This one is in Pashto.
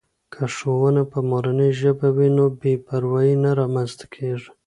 که ښوونه په مورنۍ ژبه وي نو بې پروایي نه رامنځته کېږي.